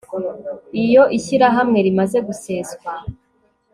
iyo ishyirahamwe rimaze guseswa